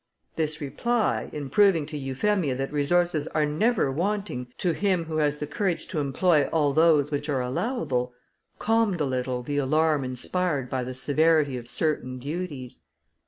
This reply, in proving to Euphemia that resources are never wanting to him who has the courage to employ all those which are allowable, calmed a little the alarm inspired by the severity of certain duties.